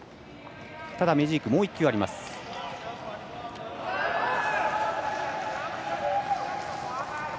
ただ、メジークはもう１球ある。